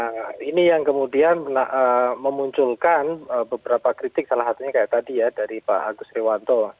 nah ini yang kemudian memunculkan beberapa kritik salah satunya kayak tadi ya dari pak agus rewanto